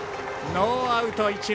ノーアウト、一塁。